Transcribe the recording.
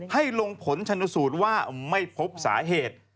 ให้ลงผลชนสูตรว่าไม่พบสาเหตุ